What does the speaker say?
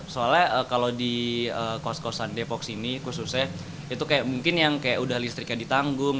soalnya kalau di kos kosan depok sini khususnya itu kayak mungkin yang kayak udah listriknya ditanggung